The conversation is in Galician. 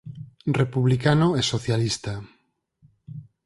Republicano e socialista.